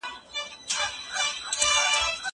زه اجازه لرم چي کتابونه وړم.